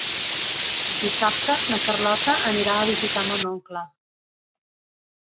Dissabte na Carlota anirà a visitar mon oncle.